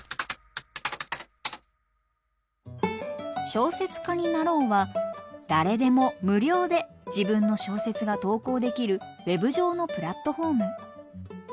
「小説家になろう」は誰でも無料で自分の小説が投稿できるＷＥＢ上のプラットホーム。